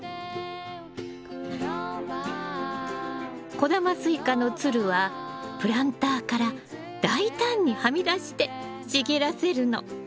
小玉スイカのつるはプランターから大胆にはみ出して茂らせるの。